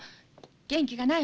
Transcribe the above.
元気がないわね。